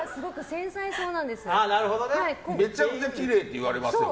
めちゃくちゃきれいって言われますよ。